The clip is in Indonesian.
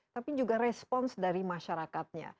tapi juga respons dari masyarakatnya